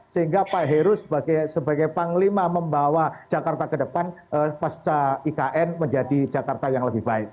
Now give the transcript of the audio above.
sehingga pak heru sebagai panglima membawa jakarta ke depan pasca ikn menjadi jakarta